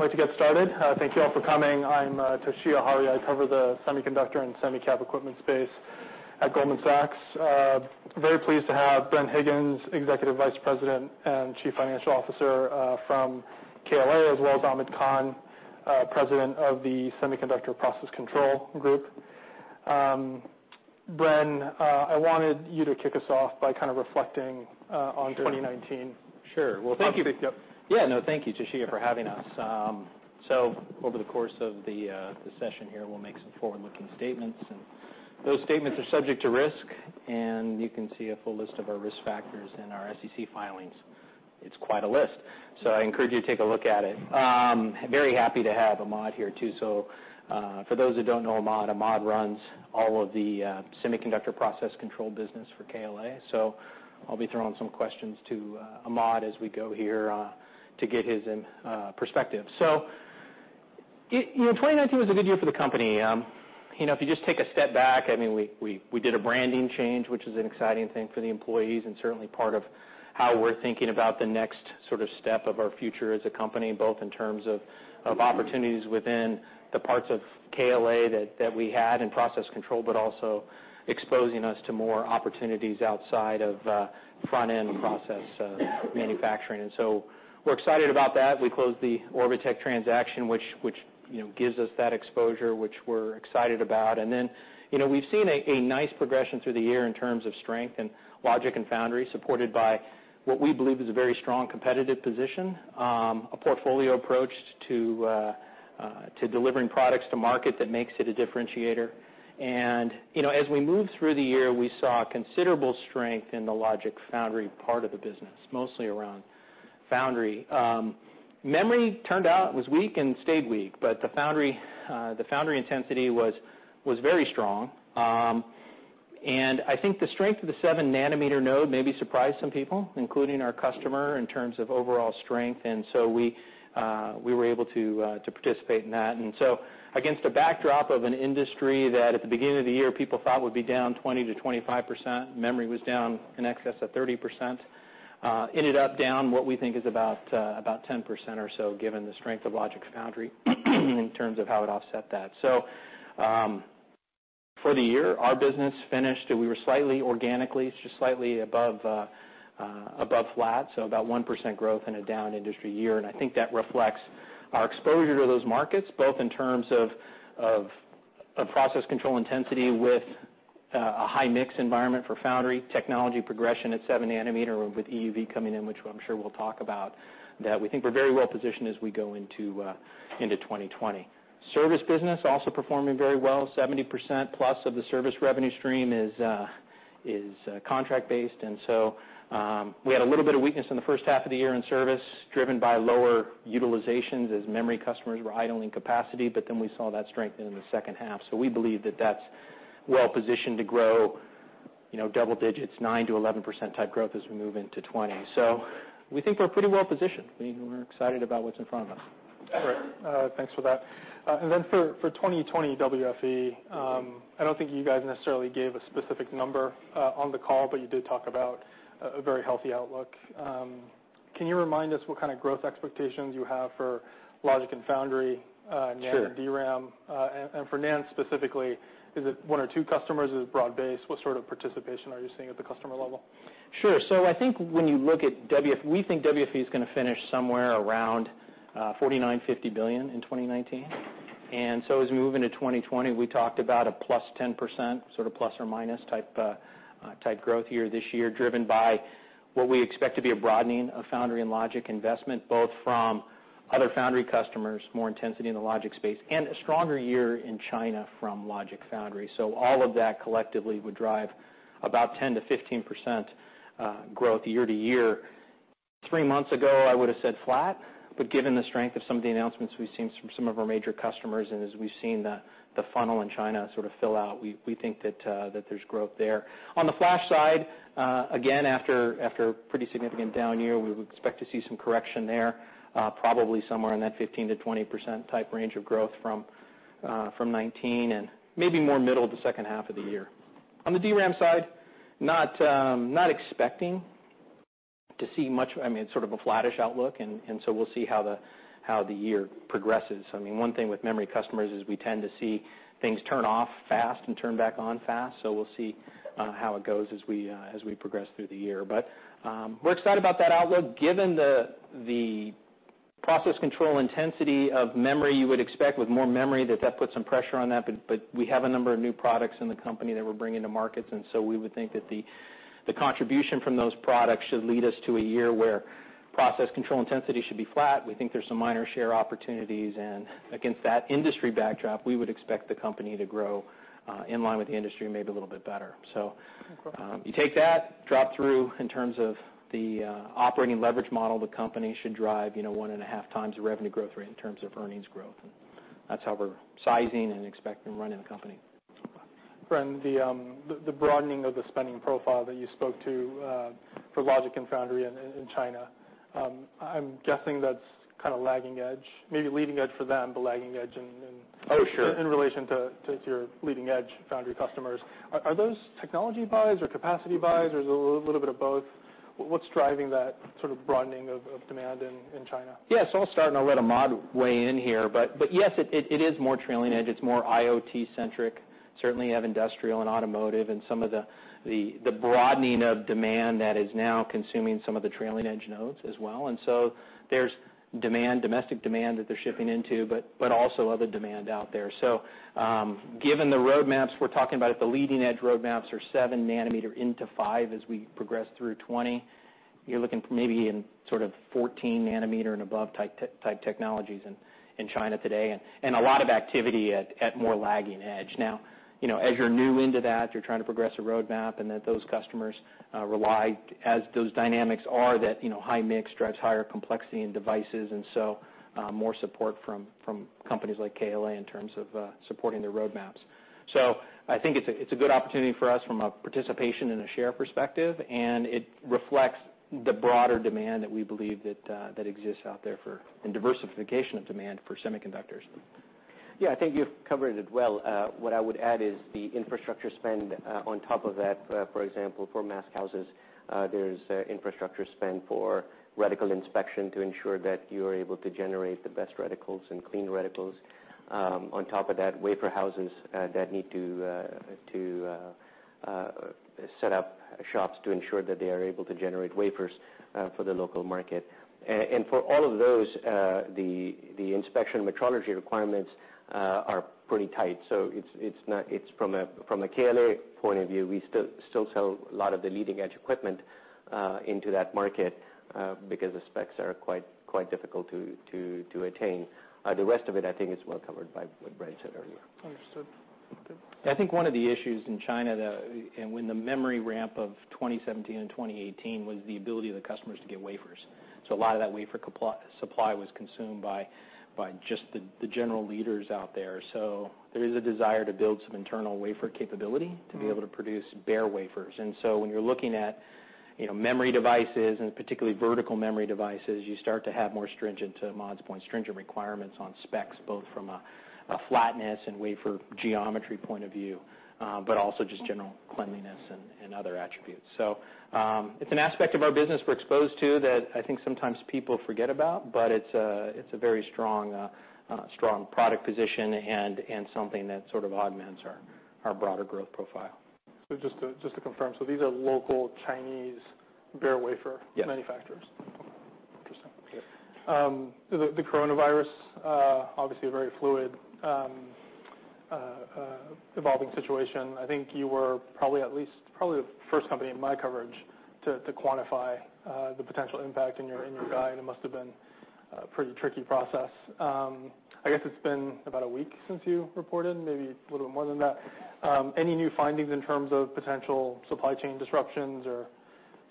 Like to get started. Thank you all for coming. I'm Toshiya Hari. I cover the semiconductor and semi-cap equipment space at Goldman Sachs. Very pleased to have Bren Higgins, Executive Vice President and Chief Financial Officer from KLA, as well as Ahmad Khan, President of the Semiconductor Process Control Group. Bren, I wanted you to kick us off by kind of reflecting on 2019. Sure. Well, thank you. Yep. Yeah, no, thank you, Toshiya, for having us. Over the course of the session here, we'll make some forward-looking statements, and those statements are subject to risk, and you can see a full list of our risk factors in our SEC filings. It's quite a list, so I encourage you to take a look at it. Very happy to have Ahmad here too. For those that don't know Ahmad runs all of the Semiconductor Process Control business for KLA. I'll be throwing some questions to Ahmad as we go here to get his perspective. 2019 was a good year for the company. If you just take a step back, we did a branding change, which is an exciting thing for the employees and certainly part of how we're thinking about the next sort of step of our future as a company, both in terms of opportunities within the parts of KLA that we had in process control, but also exposing us to more opportunities outside of front-end process manufacturing. We're excited about that. We closed the Orbotech transaction, which gives us that exposure, which we're excited about. We've seen a nice progression through the year in terms of strength in logic and foundry, supported by what we believe is a very strong competitive position, a portfolio approach to delivering products to market that makes it a differentiator. As we moved through the year, we saw considerable strength in the logic foundry part of the business, mostly around foundry. Memory turned out it was weak and stayed weak, but the foundry intensity was very strong. I think the strength of the 7 nm node maybe surprised some people, including our customer, in terms of overall strength, and so we were able to participate in that. Against a backdrop of an industry that at the beginning of the year people thought would be down 20%-25%, Memory was down in excess of 30%, ended up down what we think is about 10% or so given the strength of logic foundry in terms of how it offset that. For the year, our business finished, we were slightly organically, just slightly above flat, about 1% growth in a down industry year, and I think that reflects our exposure to those markets, both in terms of process control intensity with a high-mix environment for foundry technology progression at 7 nm with EUV coming in, which I'm sure we'll talk about, that we think we're very well positioned as we go into 2020. Service business also performing very well. 70%+ of the service revenue stream is contract based, we had a little bit of weakness in the first half of the year in service driven by lower utilizations as memory customers were idling capacity, we saw that strengthen in the second half. We believe that that's well positioned to grow double digits, 9%-11% type growth as we move into 2020. We think we're pretty well positioned. We're excited about what's in front of us. Great. Thanks for that. Then for 2020 WFE, I don't think you guys necessarily gave a specific number on the call, but you did talk about a very healthy outlook. Can you remind us what kind of growth expectations you have for logic and foundry? Sure NAND and DRAM? For NAND specifically, is it one or two customers? Is it broad base? What sort of participation are you seeing at the customer level? Sure. I think when you look at WFE, we think WFE is going to finish somewhere around $49 billion-$50 billion in 2019. As we move into 2020, we talked about a +10%, sort of ± type growth year this year, driven by what we expect to be a broadening of foundry and logic investment, both from other foundry customers, more intensity in the logic space, and a stronger year in China from logic foundry. All of that collectively would drive about 10%-15% growth year-to-year. Three months ago, I would've said flat, but given the strength of some of the announcements we've seen from some of our major customers and as we've seen the funnel in China sort of fill out, we think that there's growth there. On the flash side, again, after a pretty significant down year, we would expect to see some correction there, probably somewhere in that 15%-20% type range of growth from 2019, and maybe more middle of the second half of the year. On the DRAM side, not expecting to see much. It's sort of a flattish outlook, we'll see how the year progresses. One thing with memory customers is we tend to see things turn off fast and turn back on fast. We'll see how it goes as we progress through the year. We're excited about that outlook given the process control intensity of memory you would expect with more memory, that that puts some pressure on that, but we have a number of new products in the company that we're bringing to markets, and so we would think that the contribution from those products should lead us to a year where process control intensity should be flat. We think there's some minor share opportunities. Against that industry backdrop, we would expect the company to grow in line with the industry, maybe a little bit better. Okay you take that drop through in terms of the operating leverage model, the company should drive one and a half times the revenue growth rate in terms of earnings growth, that's how we're sizing and expecting running the company. Bren, the broadening of the spending profile that you spoke to for logic and foundry in China, I'm guessing that's kind of lagging edge, maybe leading edge for them, but lagging edge. Oh, sure. In relation to your leading edge foundry customers, are those technology buys or capacity buys, or is it a little bit of both? What's driving that sort of broadening of demand in China? Yes. I'll start, and I'll let Ahmad weigh in here, but yes, it is more trailing-edge. It's more IoT-centric. Certainly, you have industrial and automotive, and some of the broadening of demand that is now consuming some of the trailing-edge nodes as well. There's domestic demand that they're shipping into, but also other demand out there. Given the roadmaps we're talking about, if the leading-edge roadmaps are 7 nm into 5 nm as we progress through 2020, you're looking maybe in sort of 14 nm and above type technologies in China today, and a lot of activity at more lagging-edge. Now, as you're new into that, you're trying to progress a roadmap, and that those customers rely as those dynamics are that high mix drives higher complexity in devices, and so more support from companies like KLA in terms of supporting their roadmaps. I think it's a good opportunity for us from a participation and a share perspective, and it reflects the broader demand that we believe that exists out there for diversification of demand for semiconductors. I think you've covered it well. What I would add is the infrastructure spend on top of that, for example, for mask houses, there's infrastructure spend for reticle inspection to ensure that you are able to generate the best reticles and clean reticles. On top of that, wafer houses that need to set up shops to ensure that they are able to generate wafers for the local market. For all of those, the inspection metrology requirements are pretty tight. From a KLA point of view, we still sell a lot of the leading-edge equipment into that market because the specs are quite difficult to attain. The rest of it, I think, is well covered by what Ben said earlier. Understood. Okay. I think one of the issues in China, and when the memory ramp of 2017 and 2018 was the ability of the customers to get wafers. A lot of that wafer supply was consumed by just the general leaders out there. There is a desire to build some internal wafer capability to be able to produce bare wafers. When you're looking at memory devices, and particularly vertical memory devices, you start to have more stringent, to Ahmad's point, stringent requirements on specs, both from a flatness and wafer geometry point of view, but also just general cleanliness and other attributes. It's an aspect of our business we're exposed to that I think sometimes people forget about, but it's a very strong product position and something that sort of augments our broader growth profile. Just to confirm, so these are local Chinese bare wafer- Yes manufacturers? Yes. Interesting. The coronavirus, obviously a very fluid, evolving situation. I think you were probably the first company in my coverage to quantify the potential impact in your guide. It must have been a pretty tricky process. I guess it's been about a week since you reported, maybe a little bit more than that. Any new findings in terms of potential supply chain disruptions or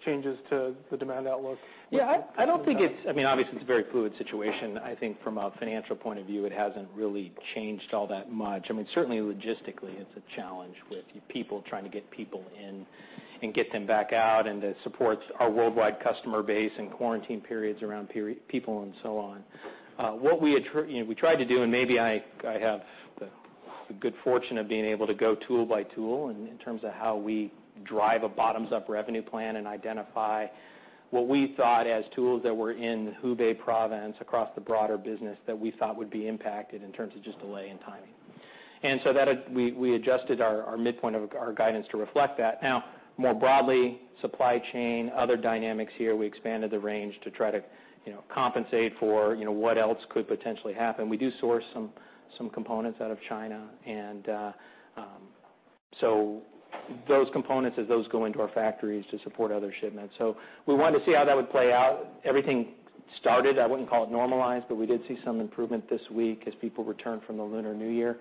changes to the demand outlook? Yeah, Obviously, it's a very fluid situation. I think from a financial point of view, it hasn't really changed all that much. Certainly logistically, it's a challenge with people trying to get people in and get them back out, and the supports, our worldwide customer base, and quarantine periods around people, and so on. What we tried to do, and maybe I have the good fortune of being able to go tool by tool in terms of how we drive a bottoms-up revenue plan and identify what we thought as tools that were in Hubei province across the broader business that we thought would be impacted in terms of just delay in timing. We adjusted our midpoint of our guidance to reflect that. Now, more broadly, supply chain, other dynamics here, we expanded the range to try to compensate for what else could potentially happen. We do source some components out of China. Those components, as those go into our factories to support other shipments. We wanted to see how that would play out. Everything started, I wouldn't call it normalized, but we did see some improvement this week as people returned from the Lunar New Year.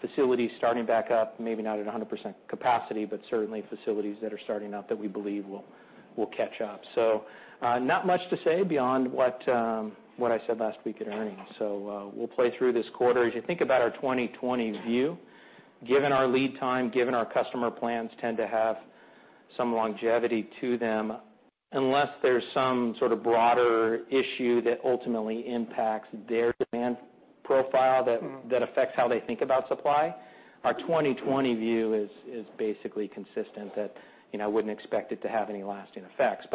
Facilities starting back up, maybe not at 100% capacity, but certainly facilities that are starting up that we believe will catch up. Not much to say beyond what I said last week at earnings. We'll play through this quarter. As you think about our 2020 view, given our lead time, given our customer plans tend to have some longevity to them, unless there's some sort of broader issue that ultimately impacts their demand profile that affects how they think about supply, our 2020 view is basically consistent that I wouldn't expect it to have any lasting effects.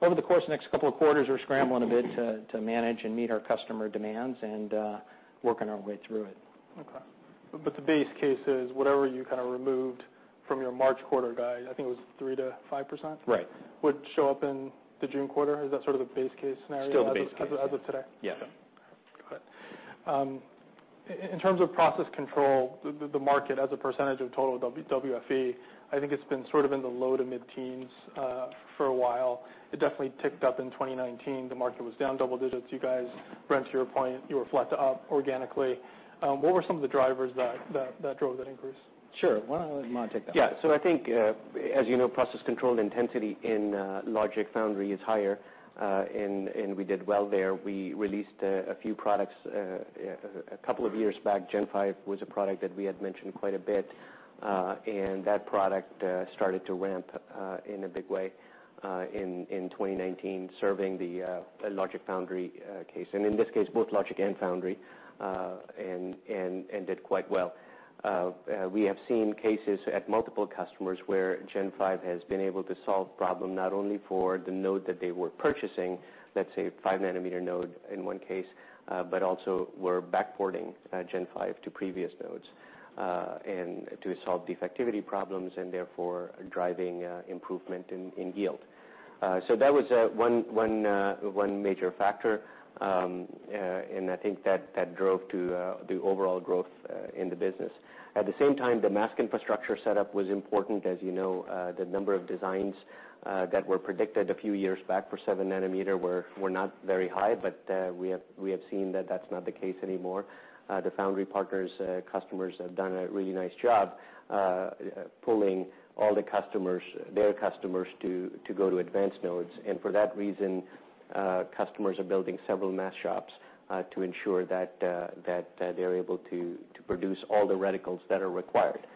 Over the course of the next couple of quarters, we're scrambling a bit to manage and meet our customer demands and working our way through it. Okay. The base case is whatever you kind of removed from your March quarter guide, I think it was 3%-5%? Right. Would show up in the June quarter? Is that sort of the base case scenario? Still the base case. as of today? Yeah. Got it. In terms of process control, the market as a percentage of total WFE, I think it's been sort of in the low to mid-teens for a while. It definitely ticked up in 2019. The market was down double digits. You guys, Ben, to your point, you were flat to up organically. What were some of the drivers that drove that increase? Sure. Why don't I let Ahmad take that one? Yeah. I think, as you know, process control intensity in logic foundry is higher, and we did well there. We released a few products a couple of years back. Gen5 was a product that we had mentioned quite a bit, and that product started to ramp in a big way in 2019, serving the logic foundry case, and in this case, both logic and foundry, and did quite well. We have seen cases at multiple customers where Gen5 has been able to solve problem, not only for the node that they were purchasing, let's say 5 nm node in one case, but also were backporting Gen5 to previous nodes, and to solve defectivity problems, and therefore driving improvement in yield. That was one major factor, and I think that drove the overall growth in the business. At the same time, the mask infrastructure setup was important. As you know, the number of designs that were predicted a few years back for 7 nm were not very high, but we have seen that that's not the case anymore. The foundry partners, customers have done a really nice job pulling all their customers to go to advanced nodes. For that reason, customers are building several mask shops to ensure that they're able to produce all the reticles that are required.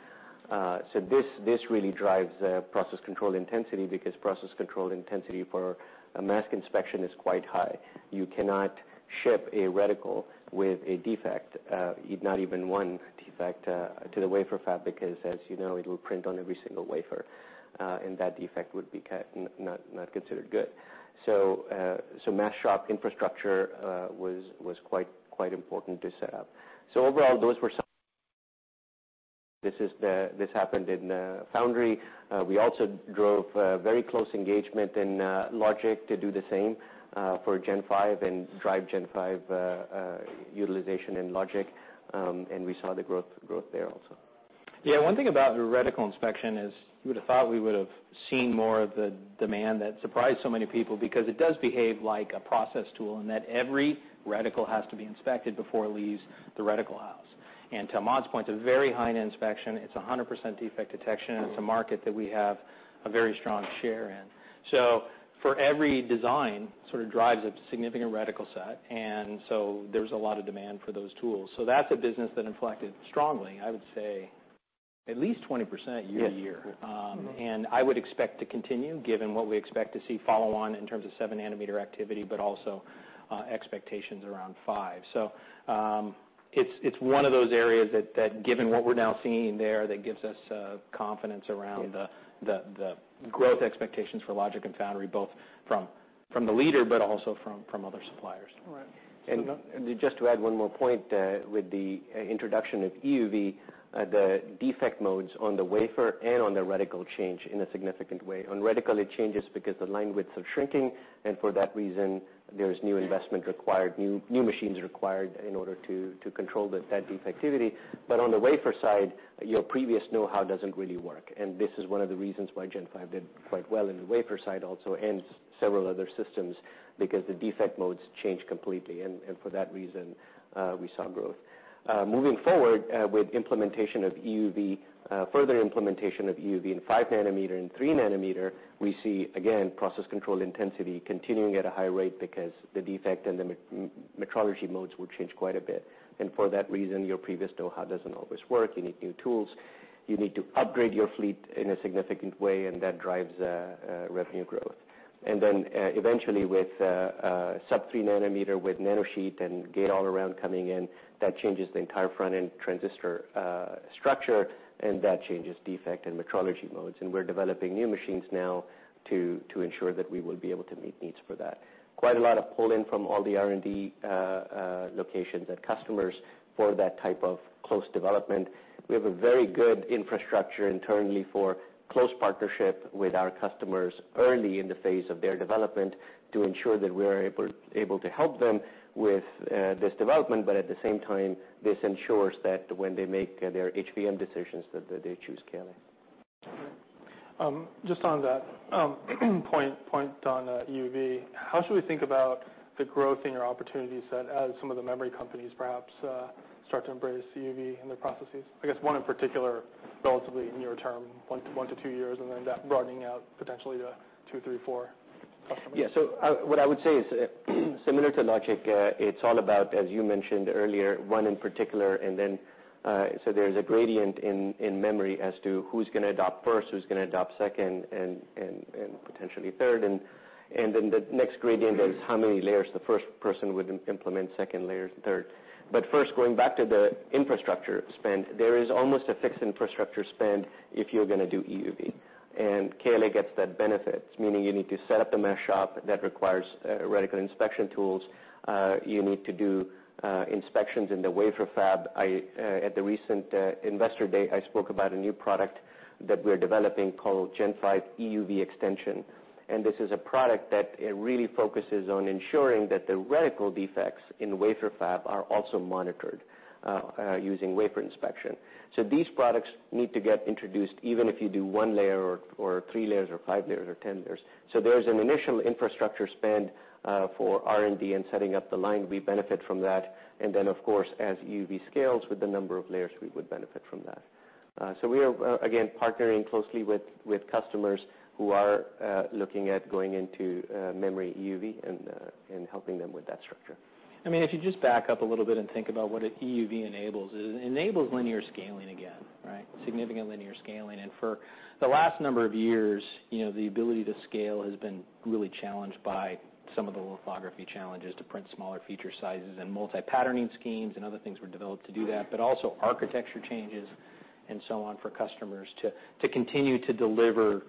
This really drives process control intensity because process control intensity for a mask inspection is quite high. You cannot ship a reticle with a defect, not even one defect, to the wafer fab, because as you know, it will print on every single wafer, and that defect would be not considered good. Mask shop infrastructure was quite important to set up. This happened in foundry. We also drove very close engagement in logic to do the same for Gen5 and drive Gen5 utilization in logic, and we saw the growth there also. Yeah. One thing about reticle inspection is you would've thought we would've seen more of the demand that surprised so many people, because it does behave like a process tool in that every reticle has to be inspected before it leaves the reticle house. To Ahmad's point, it's a very high-end inspection. It's 100% defect detection, and it's a market that we have a very strong share in. For every design sort of drives a significant reticle set, there's a lot of demand for those tools. That's a business that inflected strongly, I would say at least 20% year to year. Yes. I would expect to continue given what we expect to see follow on in terms of seven nanometer activity, but also expectations around five. It's one of those areas that given what we're now seeing there, that gives us confidence around the growth expectations for logic and foundry, both from the leader, but also from other suppliers. Right. Just to add one more point with the introduction of EUV, the defect modes on the wafer and on the reticle change in a significant way. On reticle, it changes because the line widths are shrinking, and for that reason, there's new investment required, new machines required in order to control that defectivity. On the wafer side, your previous know-how doesn't really work, and this is one of the reasons why Gen5 did quite well in the wafer side also, and several other systems, because the defect modes change completely. For that reason, we saw growth. Moving forward with implementation of EUV, further implementation of EUV in 5 nm and 3 nm, we see, again, process control intensity continuing at a high rate because the defect and the metrology modes will change quite a bit. For that reason, your previous know-how doesn't always work. You need new tools. You need to upgrade your fleet in a significant way, and that drives revenue growth. Eventually with sub 3 nm, with nanosheet and gate-all-around coming in, that changes the entire front-end transistor structure, and that changes defect and metrology modes. We're developing new machines now to ensure that we will be able to meet needs for that. Quite a lot of pull-in from all the R&D locations at customers for that type of close development. We have a very good infrastructure internally for close partnership with our customers early in the phase of their development to ensure that we are able to help them with this development, but at the same time, this ensures that when they make their HVM decisions, that they choose KLA. Just on that point on EUV, how should we think about the growth in your opportunity set as some of the memory companies perhaps start to embrace EUV in their processes? I guess one in particular, relatively near term, 1-2 years, then that broadening out potentially to two, three, four customers. Yeah. What I would say is similar to logic, it's all about, as you mentioned earlier, one in particular, there's a gradient in memory as to who's going to adopt first, who's going to adopt second, and potentially third. The next gradient is how many layers the first person would implement, second layer, third. First, going back to the infrastructure spend, there is almost a fixed infrastructure spend if you're going to do EUV, and KLA gets that benefit, meaning you need to set up the mask shop that requires reticle inspection tools. You need to do inspections in the wafer fab. At the recent Investor Day, I spoke about a new product that we're developing called Gen5 EUV Extension, this is a product that really focuses on ensuring that the reticle defects in wafer fab are also monitored using wafer inspection. These products need to get introduced even if you do one layer or three layers or five layers or 10 layers. There's an initial infrastructure spend for R&D and setting up the line. We benefit from that, then of course, as EUV scales with the number of layers, we would benefit from that. We are, again, partnering closely with customers who are looking at going into memory EUV and helping them with that structure. If you just back up a little bit and think about what a EUV enables, it enables linear scaling again. Right. Significant linear scaling. For the last number of years, the ability to scale has been really challenged by some of the lithography challenges to print smaller feature sizes, and multi-patterning schemes and other things were developed to do that. Also architecture changes and so on, for customers to continue to deliver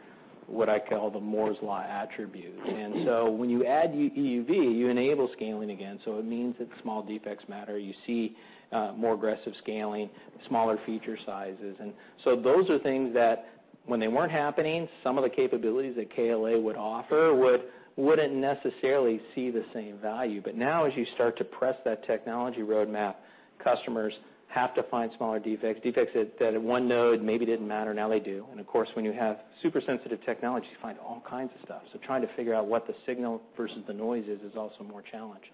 what I call the Moore's Law attribute. When you add EUV, you enable scaling again, so it means that small defects matter. You see more aggressive scaling, smaller feature sizes. Those are things that when they weren't happening, some of the capabilities that KLA would offer wouldn't necessarily see the same value. Now, as you start to press that technology roadmap, customers have to find smaller defects that at one node maybe didn't matter, now they do. Of course, when you have super sensitive technology, you find all kinds of stuff. Trying to figure out what the signal versus the noise is also more challenged.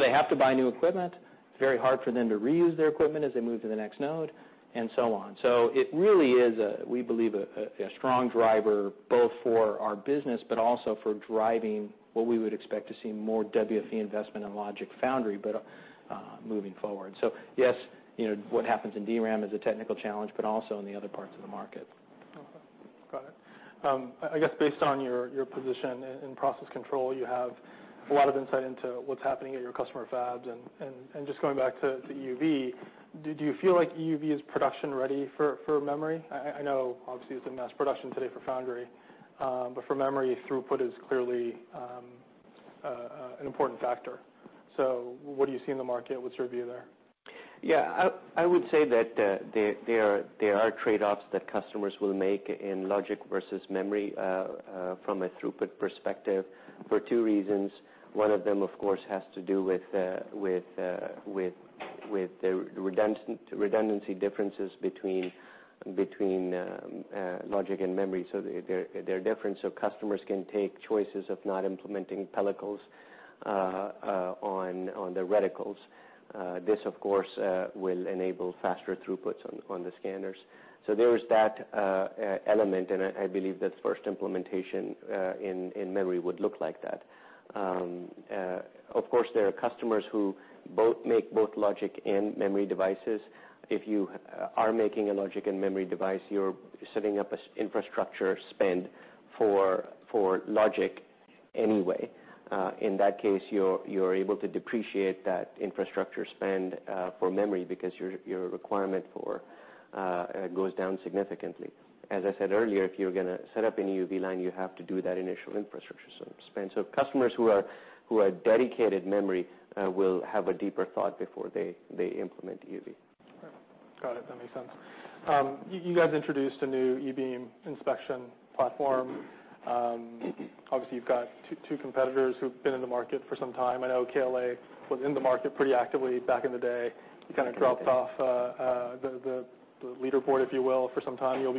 They have to buy new equipment. It's very hard for them to reuse their equipment as they move to the next node, and so on. It really is, we believe, a strong driver both for our business, but also for driving what we would expect to see more WFE investment in logic foundry, but moving forward. Yes, what happens in DRAM is a technical challenge, but also in the other parts of the market. Okay. Got it. I guess based on your position in process control, you have a lot of insight into what's happening at your customer fabs, and just going back to EUV, do you feel like EUV is production-ready for memory? I know obviously it's in mass production today for foundry. For memory, throughput is clearly an important factor. What do you see in the market? What's your view there? Yeah. I would say that there are trade-offs that customers will make in logic versus memory, from a throughput perspective, for two reasons. One of them, of course, has to do with the redundancy differences between logic and memory. They're different, customers can take choices of not implementing pellicles on their reticles. This, of course, will enable faster throughputs on the scanners. There is that element, and I believe that first implementation in memory would look like that. Of course, there are customers who make both logic and memory devices. If you are making a logic and memory device, you're setting up infrastructure spend for logic anyway. In that case, you're able to depreciate that infrastructure spend for memory because your requirement goes down significantly. As I said earlier, if you're going to set up an EUV line, you have to do that initial infrastructure spend. Customers who are dedicated memory will have a deeper thought before they implement EUV. Right. Got it. That makes sense. You guys introduced a new E-beam inspection platform. Obviously, you've got two competitors who've been in the market for some time. I know KLA was in the market pretty actively back in the day. You kind of dropped off the leaderboard, if you will, for some time. You'll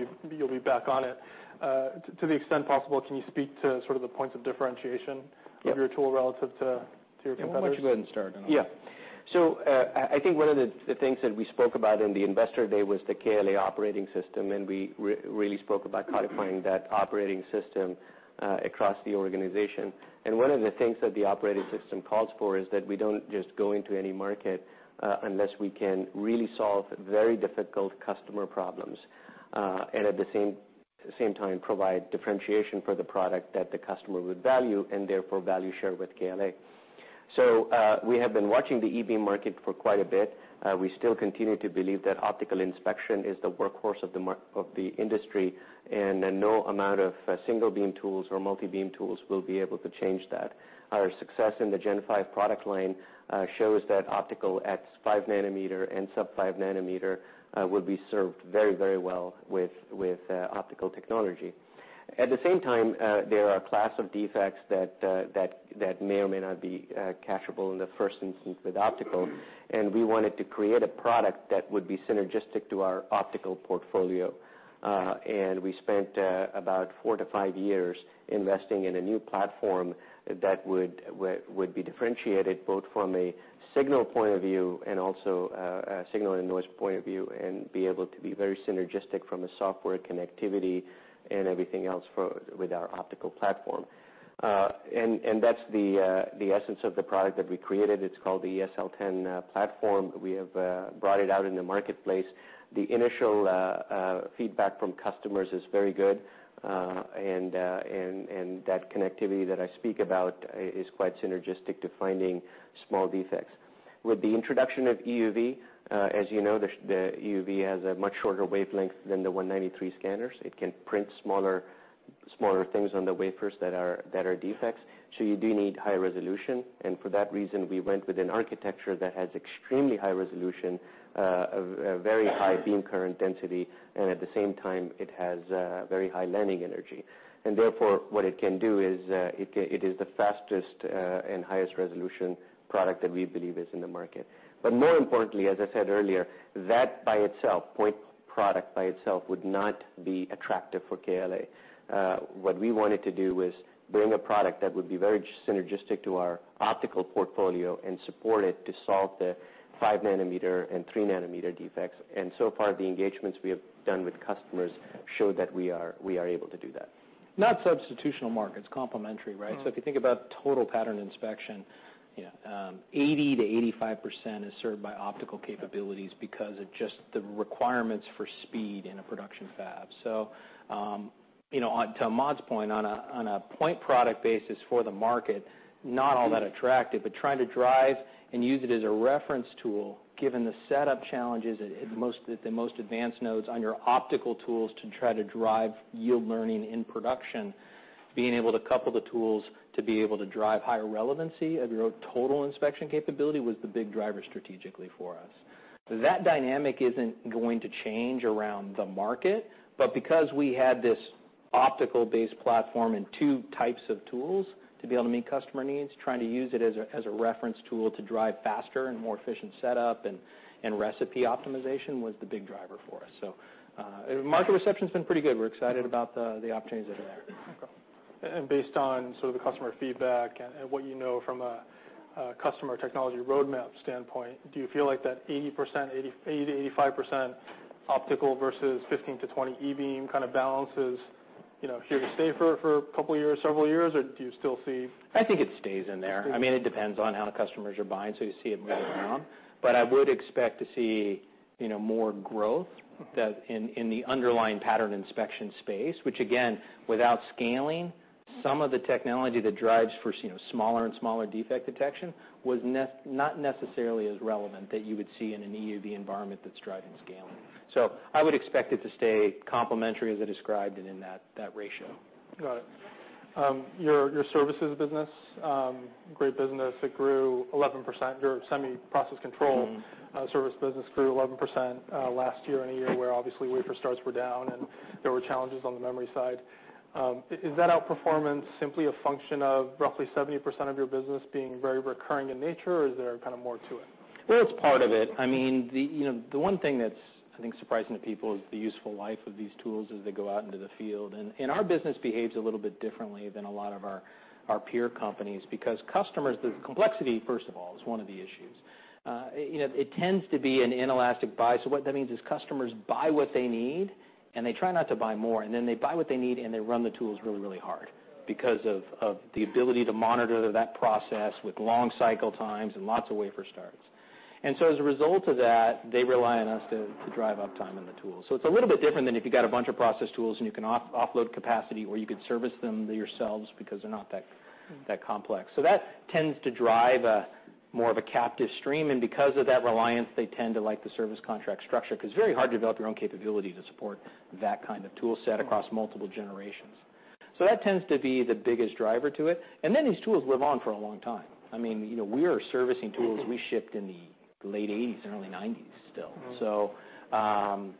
be back on it. To the extent possible, can you speak to sort of the points of differentiation. Yep of your tool relative to your competitors? Yeah. Why don't you go ahead and start, Ahmad? Yeah. I think one of the things that we spoke about in the investor day was the KLA operating system, and we really spoke about codifying that operating system across the organization. One of the things that the operating system calls for is that we don't just go into any market unless we can really solve very difficult customer problems. At the same time, provide differentiation for the product that the customer would value, and therefore value share with KLA. We have been watching the E-beam market for quite a bit. We still continue to believe that optical inspection is the workhorse of the industry, and that no amount of single-beam tools or multi-beam tools will be able to change that. Our success in the Gen5 product line shows that optical at 5 nm and sub-5 nm will be served very well with optical technology. At the same time, there are a class of defects that may or may not be catchable in the first instance with optical. We wanted to create a product that would be synergistic to our optical portfolio. We spent about four to five years investing in a new platform that would be differentiated, both from a signal point of view and also, signal and noise point of view, and be able to be very synergistic from a software connectivity and everything else with our optical platform. That's the essence of the product that we created. It's called the eSL10 platform. We have brought it out in the marketplace. The initial feedback from customers is very good. That connectivity that I speak about is quite synergistic to finding small defects. With the introduction of EUV, as you know, the EUV has a much shorter wavelength than the 193 nm scanners. It can print smaller things on the wafers that are defects. You do need high resolution, and for that reason, we went with an architecture that has extremely high resolution, a very high beam current density, and at the same time, it has very high landing energy. Therefore, what it can do is, it is the fastest and highest resolution product that we believe is in the market. More importantly, as I said earlier, that by itself, point product by itself would not be attractive for KLA. What we wanted to do was bring a product that would be very synergistic to our optical portfolio and support it to solve the 5-nm and 3-nm defects. So far, the engagements we have done with customers show that we are able to do that. Not substitutional markets, complementary, right? If you think about total pattern inspection, 80%-85% is served by optical capabilities because of just the requirements for speed in a production fab. To Ahmad's point, on a point product basis for the market, not all that attractive, but trying to drive and use it as a reference tool, given the setup challenges at the most advanced nodes on your optical tools to try to drive yield learning in production. Being able to couple the tools to be able to drive higher relevancy of your total inspection capability was the big driver strategically for us. That dynamic isn't going to change around the market, but because we had this optical-based platform and two types of tools to be able to meet customer needs, trying to use it as a reference tool to drive faster and more efficient setup and recipe optimization was the big driver for us. Market reception's been pretty good. We're excited about the opportunities that are there. Okay. Based on the customer feedback and what you know from a customer technology roadmap standpoint, do you feel like that 80%-85% optical versus 15%-20% e-beam kind of balance is here to stay for a couple of years, several years, or do you still see? I think it stays in there. It depends on how the customers are buying, so you see it move around. I would expect to see more growth in the underlying pattern inspection space, which again, without scaling, some of the technology that drives for smaller and smaller defect detection was not necessarily as relevant that you would see in an EUV environment that's driving scaling. I would expect it to stay complementary as I described it in that ratio. Got it. Your services business, great business. It grew 11%, your Semi Process Control. service business grew 11% last year in a year where obviously wafer starts were down, and there were challenges on the memory side. Is that outperformance simply a function of roughly 70% of your business being very recurring in nature, or is there kind of more to it? Well, it's part of it. The one thing that's, I think, surprising to people is the useful life of these tools as they go out into the field. Our business behaves a little bit differently than a lot of our peer companies because customers, the complexity, first of all, is one of the issues. It tends to be an inelastic buy. What that means is customers buy what they need, and they try not to buy more, and then they buy what they need, and they run the tools really, really hard because of the ability to monitor that process with long cycle times and lots of wafer starts. As a result of that, they rely on us to drive uptime in the tool. It's a little bit different than if you got a bunch of process tools, and you can offload capacity, or you could service them yourselves because they're not that complex. That tends to drive more of a captive stream. Because of that reliance, they tend to like the service contract structure because it's very hard to develop your own capability to support that kind of tool set across multiple generations. That tends to be the biggest driver to it. These tools live on for a long time. We are servicing tools we shipped in the late 1980s and early 1990s still.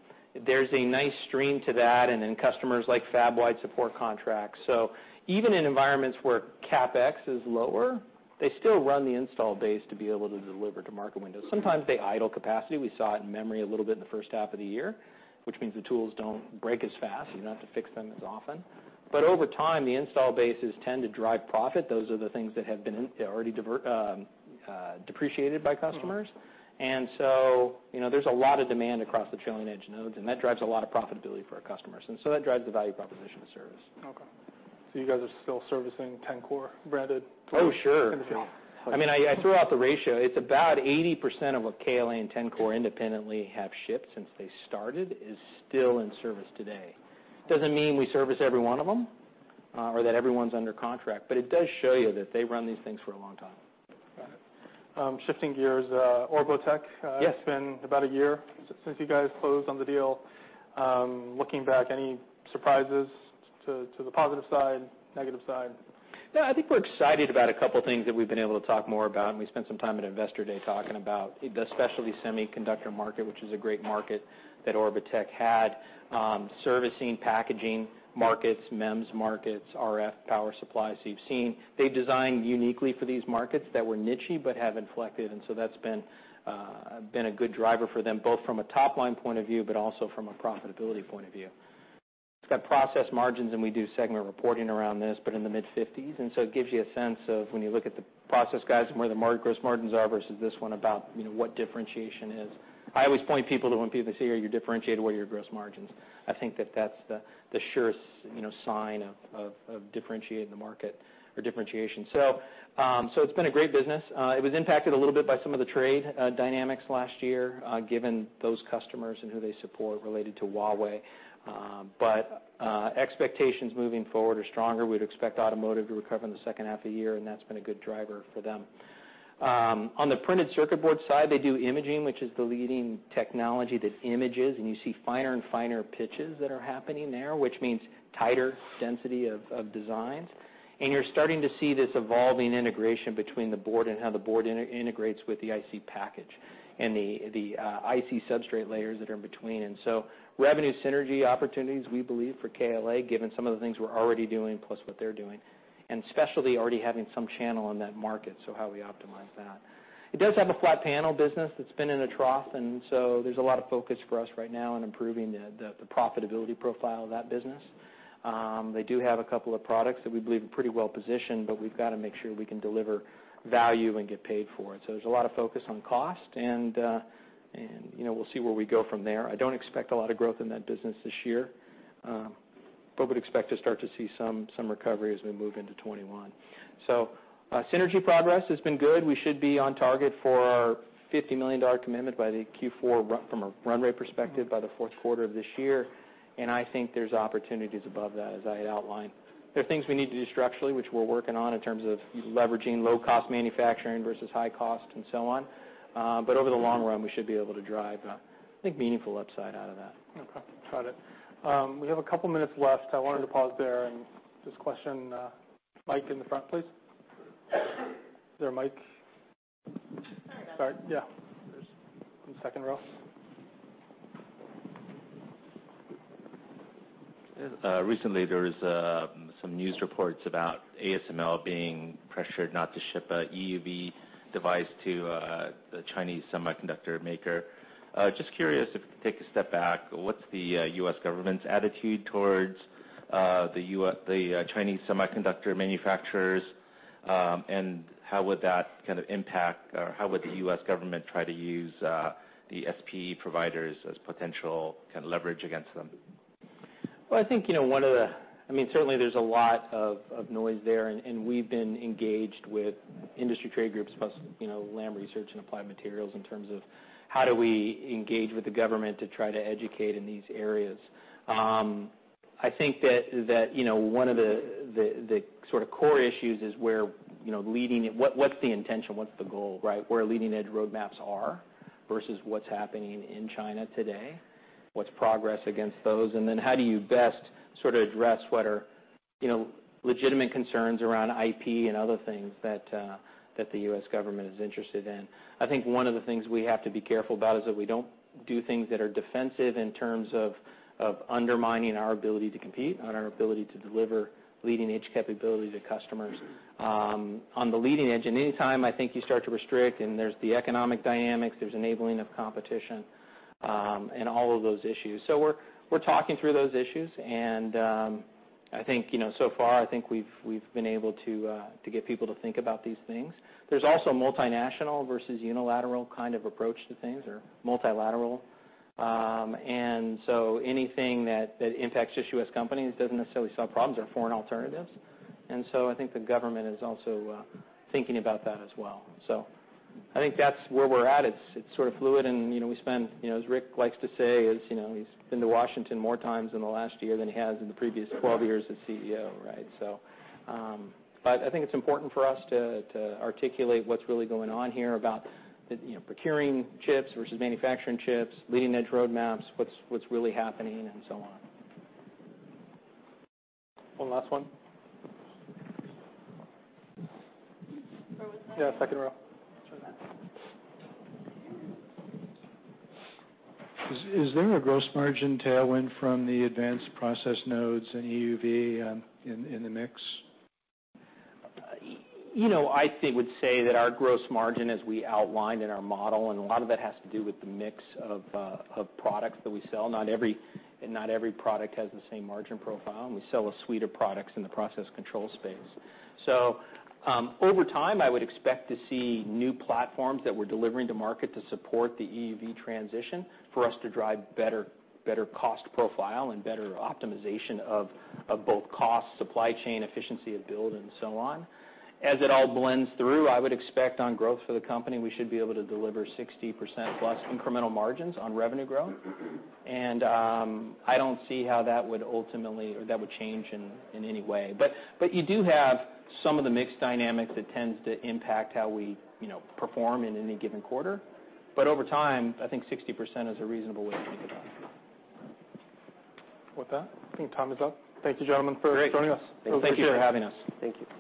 There's a nice stream to that. Customers like fab-wide support contracts. Even in environments where CapEx is lower, they still run the install base to be able to deliver to market windows. Sometimes they idle capacity. We saw it in memory a little bit in the first half of the year, which means the tools don't break as fast. You don't have to fix them as often. Over time, the install bases tend to drive profit. Those are the things that have been already depreciated by customers. There's a lot of demand across the trailing edge nodes, and that drives a lot of profitability for our customers. That drives the value proposition of service. Okay. You guys are still servicing Tencor-branded tools. Oh, sure. in the field. I threw out the ratio. It's about 80% of what KLA and Tencor independently have shipped since they started is still in service today. Doesn't mean we service every one of them, or that every one's under contract, but it does show you that they run these things for a long time. Got it. Shifting gears, Orbotech. Yes. It's been about a year since you guys closed on the deal. Looking back, any surprises to the positive side, negative side? No, I think we're excited about a couple of things that we've been able to talk more about, and we spent some time at Investor Day talking about the specialty semiconductor market, which is a great market that Orbotech had, servicing packaging markets, MEMS markets, RF power supplies. You've seen they designed uniquely for these markets that were niche-y but have inflected, that's been a good driver for them, both from a top-line point of view, but also from a profitability point of view. It's got process margins, and we do segment reporting around this, but in the mid-50s, it gives you a sense of when you look at the process guys and where the gross margins are versus this one about what differentiation is. I always point people to when people say, "Are you differentiated? What are your gross margins?" I think that that's the surest sign of differentiating the market or differentiation. It's been a great business. It was impacted a little bit by some of the trade dynamics last year, given those customers and who they support related to Huawei. Expectations moving forward are stronger. We'd expect automotive to recover in the second half of the year, and that's been a good driver for them. On the printed circuit board side, they do imaging, which is the leading technology that images, and you see finer and finer pitches that are happening there, which means tighter density of designs. You're starting to see this evolving integration between the board and how the board integrates with the IC package and the IC substrate layers that are in between. Revenue synergy opportunities, we believe, for KLA, given some of the things we're already doing, plus what they're doing, and especially already having some channel in that market, so how we optimize that. It does have a flat panel business that's been in a trough. There's a lot of focus for us right now on improving the profitability profile of that business. They do have a couple of products that we believe are pretty well-positioned. We've got to make sure we can deliver value and get paid for it. There's a lot of focus on cost, and we'll see where we go from there. I don't expect a lot of growth in that business this year. We'd expect to start to see some recovery as we move into 2021. Synergy progress has been good. We should be on target for our $50 million commitment by the Q4, from a run rate perspective, by the fourth quarter of this year. I think there's opportunities above that, as I outlined. There are things we need to do structurally, which we're working on in terms of leveraging low-cost manufacturing versus high cost and so on. Over the long run, we should be able to drive, I think, meaningful upside out of that. Okay. Got it. We have a couple of minutes left. I wanted to pause there and just question Mike in the front, please. Is there a Mic? [inaudible] yeah. There's second row. Recently there was some news reports about ASML being pressured not to ship a EUV device to the Chinese semiconductor maker. Just curious if you could take a step back, what's the U.S. government's attitude towards the Chinese semiconductor manufacturers? How would that kind of impact, or how would the U.S. government try to use the semi-cap equipment providers as potential leverage against them? Well, I think, certainly there's a lot of noise there, and we've been engaged with industry trade groups, plus Lam Research and Applied Materials in terms of how do we engage with the government to try to educate in these areas. What's the intention, what's the goal, right? I think that one of the sort of core issues is where leading-edge roadmaps are versus what's happening in China today, what's progress against those, and then how do you best sort of address what are legitimate concerns around IP and other things that the U.S. government is interested in. I think one of the things we have to be careful about is that we don't do things that are defensive in terms of undermining our ability to compete and our ability to deliver leading-edge capability to customers. On the leading edge, anytime I think you start to restrict, and there's the economic dynamics, there's enabling of competition, and all of those issues. We're talking through those issues, and I think so far, I think we've been able to get people to think about these things. There's also multinational versus unilateral kind of approach to things, or multilateral. Anything that impacts just U.S. companies doesn't necessarily solve problems or foreign alternatives. I think the government is also thinking about that as well. I think that's where we're at. It's sort of fluid and we spend, as Rick likes to say, he's been to Washington more times in the last year than he has in the previous 12 years as CEO, right? I think it's important for us to articulate what's really going on here about procuring chips versus manufacturing chips, leading-edge roadmaps, what's really happening and so on. One last one. Where was my-. Yeah, second row. It's right there. Is there a gross margin tailwind from the advanced process nodes and EUV in the mix? I would say that our gross margin as we outlined in our model, and a lot of that has to do with the mix of products that we sell. Not every product has the same margin profile, and we sell a suite of products in the process control space. Over time, I would expect to see new platforms that we're delivering to market to support the EUV transition for us to drive better cost profile and better optimization of both cost, supply chain efficiency of build and so on. As it all blends through, I would expect on growth for the company, we should be able to deliver 60%+ incremental margins on revenue growth. I don't see how that would ultimately, or that would change in any way. You do have some of the mix dynamics that tends to impact how we perform in any given quarter. Over time, I think 60% is a reasonable way to think about it. With that, I think time is up. Thank you, gentlemen, for joining us. Great. Thank you for having us. Thank you.